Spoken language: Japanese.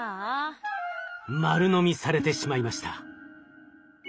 丸飲みされてしまいました。